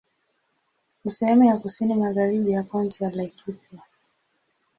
Ni sehemu ya kusini magharibi ya Kaunti ya Laikipia.